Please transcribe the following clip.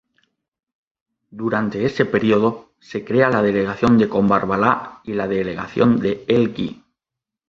Durante ese período se crea la Delegación de Combarbalá y la Delegación de Elqui.